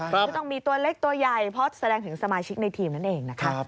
คือต้องมีตัวเล็กตัวใหญ่เพราะแสดงถึงสมาชิกในทีมนั่นเองนะคะ